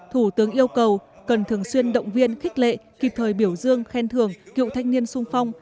thủ tướng yêu cầu cần thường xuyên động viên khích lệ kịp thời biểu dương khen thường cựu thanh niên sung phong